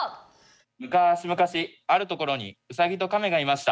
昔昔あるところにウサギとカメがいました。